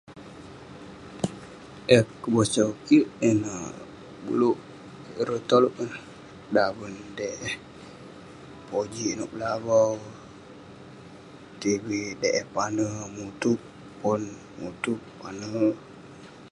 Eh kebosau kik yan neh, beluk ireh tolouk ineh..daven, dey eh pojik nouk belavau, tv dey eh pane, mutup, pon mutup pane